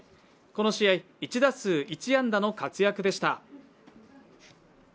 この試合、１打数１安打の活躍でした。